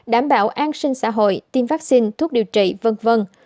đảm bảo an sinh xã hội tiêm vaccine thuốc điều trị v v